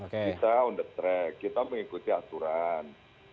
kita on the track kita mengikuti aturan